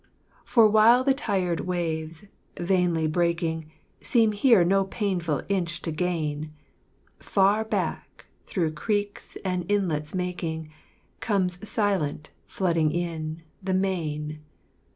For while the tired waves, vainly breaking, Seem here no painful inch to gain, Far back, through creeks and inlets making, Comes silent, flooding in, the main.